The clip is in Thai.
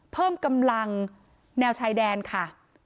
เพิ่มกำลังแนวชายแดนค่ะ